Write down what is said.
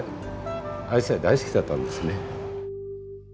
アジサイ大好きだったんですね。